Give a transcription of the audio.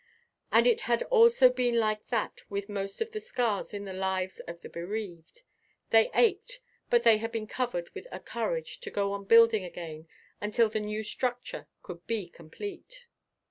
And it had also been like that with most of the scars in the lives of the bereaved; they ached, but they had been covered with a courage to go on building again until the new structure could be complete.